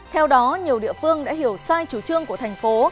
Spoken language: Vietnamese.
theo đó nhiều địa phương đã hiểu sai chủ trương của thành phố